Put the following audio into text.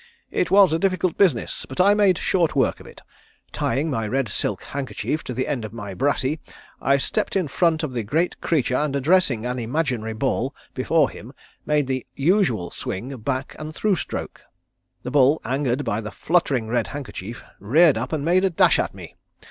It was a difficult business, but I made short work of it. Tying my red silk handkerchief to the end of my brassey I stepped in front of the great creature and addressing an imaginary ball before him made the usual swing back and through stroke. The bull, angered by the fluttering red handkerchief, reared up and made a dash at me.